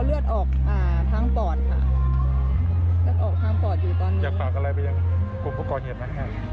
เลือดออกทางปอดอยู่ตอนนี้อยากฝากอะไรไปยังกลุ่มคนก่อเหตุนะค่ะ